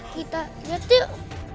kita lihat yuk